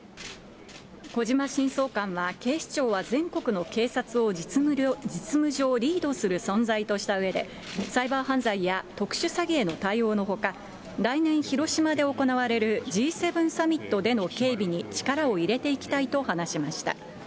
小島新総監は、警視庁は全国の警察を実務上リードする存在としたうえで、サイバー犯罪や特殊詐欺への対応のほか、来年、広島で行われるＧ７サミットでの警備に力を入れていきたいと話しました。